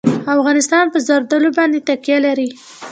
افغانستان په زردالو باندې تکیه لري.